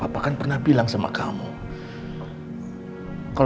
nanti di mobil saja mau kek